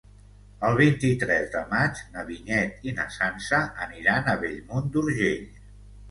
El vint-i-tres de maig na Vinyet i na Sança aniran a Bellmunt d'Urgell.